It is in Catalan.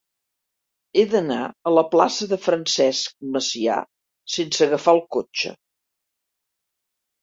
He d'anar a la plaça de Francesc Macià sense agafar el cotxe.